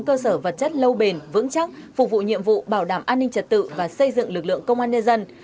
cơ sở vật chất lâu bền vững chắc phục vụ nhiệm vụ bảo đảm an ninh trật tự và xây dựng lực lượng công an nhân dân